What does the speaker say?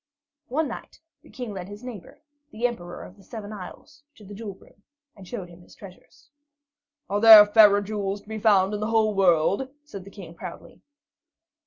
One night the King led his neighbor, the Emperor of the Seven Isles, to the jewel room, and showed him his treasures. "Are there fairer jewels to be found in the whole wide world?" said the King proudly.